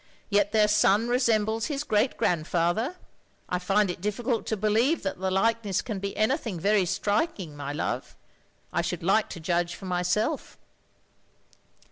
"Yet their son resembles his great grand father! I find it difficult to believe that the likeness can be anything very striking, my love. I should like to judge for myself."